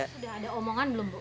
sudah ada omongan belum